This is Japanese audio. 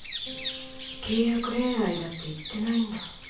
契約恋愛だって言ってないんだ